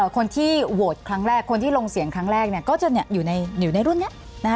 คนที่โหวตครั้งแรกคนที่ลงเสียงครั้งแรกก็จะอยู่ในรุ่นนี้